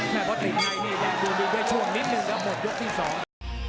แม่งก็ติดในดูด้วยช่วงนิดนึงกับหมดยกที่สอง